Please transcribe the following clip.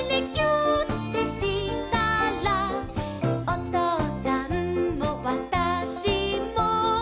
「おとうさんもわたしも」